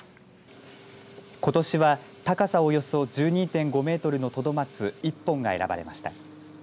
ことしは高さおよそ１２．５メートルのトドマツ、１本が選ばれました。